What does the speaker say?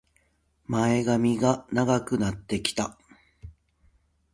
前髪が長くなってきた